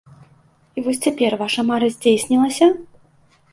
І вось цяпер ваша мара здзейснілася?